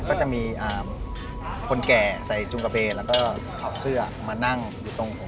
ก็จะมีคนแก่ใส่จุงกระเบนแล้วก็เอาเสื้อมานั่งอยู่ตรงผม